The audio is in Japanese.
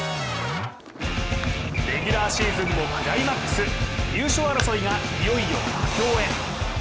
レギュラーシーズンもクライマックス優勝争いがいよいよ佳境へ。